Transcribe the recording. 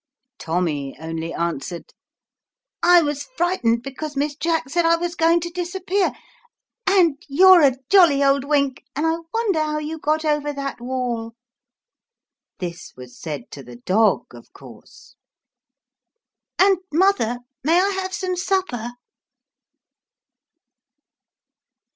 Tommy only answered, " I was frightened because Miss Jack said I was going to disappear. And you're a jolly old Wink, and I wonder how you got over that wall " this was said to the dog, of course " and, mother, may I have some supper